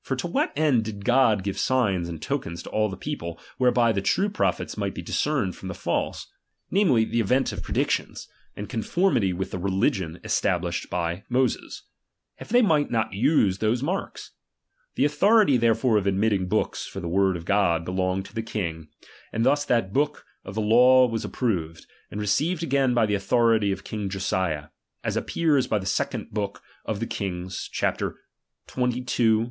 For to what end did God give signs and tokens to all the people, whereby the true prophets might be discerned from the false ; namely, the event of predictions, and conformity with the religion esta blished by Moses; if they might not use those marks ? The authority therefore of admitting books for the word of God, belonged to the king; and thus that book of the law was approved, and received again by the authority of king Josiah ; as appears by the second book of the Kings, chap. xxii. xxiii.